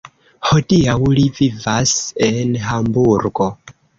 Hodiaŭ li vivas en Hamburgo.